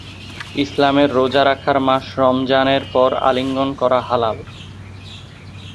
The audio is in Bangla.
ইসলামের রোজা রাখার মাস রমজানের পরে আলিঙ্গন করা হালাল।